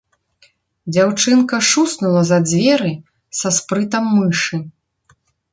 Дзяўчынка шуснула за дзверы са спрытам мышы.